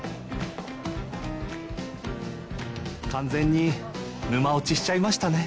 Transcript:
完全に沼落ちしちゃいましたね